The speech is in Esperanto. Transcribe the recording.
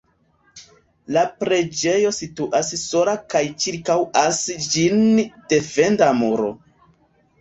La preĝejo situas sola kaj ĉirkaŭas ĝin defenda muro.